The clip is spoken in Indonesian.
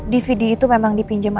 dvd itu memang dipinjam